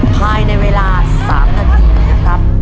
ภายในเวลา๓นาทีนะครับ